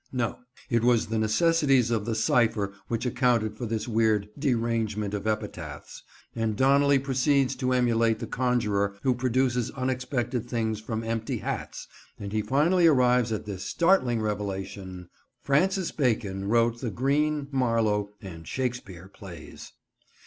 No; it was the necessities of the cipher which accounted for this weird "derangement of epitaphs"; and Donnelly proceeds to emulate the conjurer who produces unexpected things from empty hats, and he finally arrives at this startling revelation— "Francis Bacon wrote the Greene, Marlowe, and Shakespeare plays."